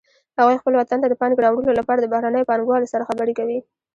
هغوی خپل وطن ته د پانګې راوړلو لپاره د بهرنیو پانګوالو سره خبرې کوي